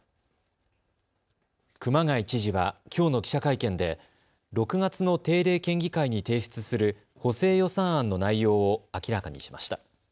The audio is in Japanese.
熊谷知事はきょうの記者会見で６月の定例県議会に提出する補正予算案の内容を明らかにしました。